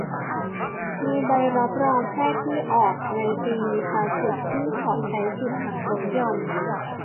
มีใบรับรองแพทย์ที่ออกในปีภาษีที่ขอใช้สิทธิ์หักลดหย่อน